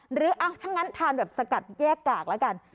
หรือถ้างั้นทานแบบสกัดแยกกากแล้วกัน